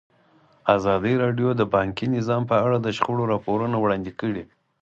ازادي راډیو د بانکي نظام په اړه د شخړو راپورونه وړاندې کړي.